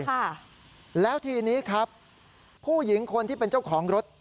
ค่ะแล้วทีนี้ครับผู้หญิงคนที่เป็นเจ้าของรถ